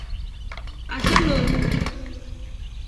Asha loru.